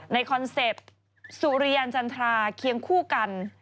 คอนเซ็ปต์สุริยันจันทราเคียงคู่กัน